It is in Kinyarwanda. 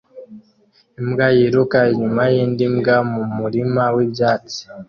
Imbwa yiruka inyuma yindi mbwa mumurima wibyatsi